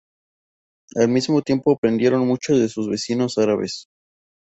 Al mismo tiempo aprendieron mucho de sus vecinos árabes.